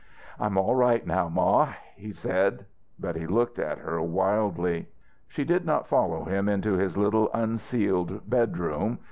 "I'm all right now, Ma," he said; but he looked at her wildly. She did not follow him into his little unceiled bedroom.